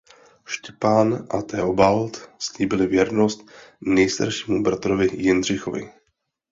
Štěpán a Theobald slíbili věrnost nejstaršímu bratrovi Jindřichovi.